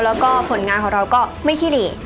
แล้วก็ผลงานของเราก็ไม่ขี้หลีก